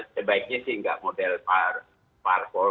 sebaiknya sih tidak model parkour